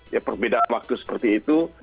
ya perbedaan waktu seperti itu